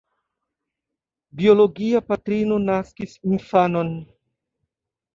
Biologia patrino naskis infanon.